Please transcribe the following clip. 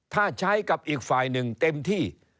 ถ้าใช้กับอีกฝ่ายหนึ่งเต็มที่